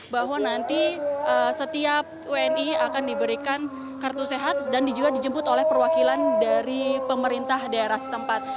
bahwa nanti setiap wni akan diberikan kartu sehat dan juga dijemput oleh perwakilan dari pemerintah daerah setempat